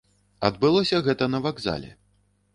Адбылося гэта на вакзале.